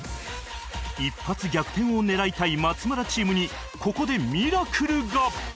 一発逆転を狙いたい松村チームにここでミラクルが